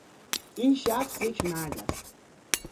این شخص یک مرد است.